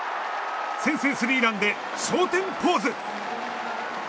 先制スリーランで昇天ポーズ。